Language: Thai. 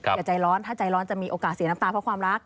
อย่าใจร้อนถ้าใจร้อนจะมีโอกาสเสียน้ำตาเพราะความรัก